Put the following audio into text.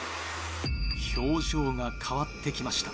表情が変わってきました。